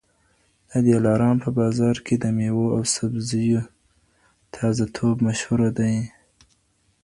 د دلارام په بازار کي د مېوو او سبزیو تازه توب مشهور دی